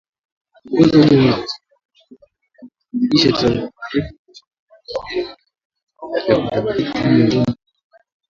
Mwongozo huu unakusudiwa kuzidisha maarifa kuhusu magonjwa na mbinu za kuyadhibiti miongoni mwa wafugaji